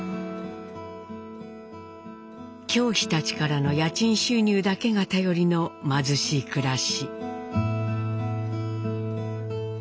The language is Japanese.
教師たちからの家賃収入だけが頼りの貧しい暮らし。